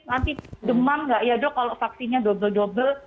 nanti demam nggak ya dok kalau vaksinnya dobel dobel